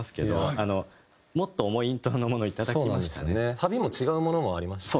サビも違うものもありましたよね。